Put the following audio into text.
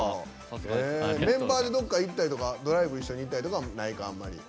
メンバーでどこか行ったりとかドライブ一緒に行ったりとかないかな？